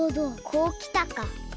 こうきたか。